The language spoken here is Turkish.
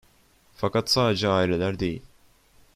Fakat sadece aileler değil.